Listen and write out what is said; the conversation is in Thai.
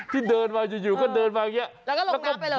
ที่เดินมาจริงก็เดินมาอย่างนี้แล้วก็บอมหายลงไปเลย